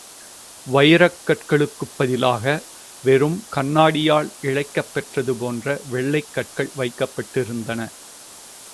வைரக் கற்களுக்குப் பதிலாக, வெறும் கண்ணாடியால் இழைக்கப் பெற்றது போன்ற வெள்ளைக் கற்கள் வைக்கப்பட்டிருந்தன.